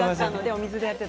お水で。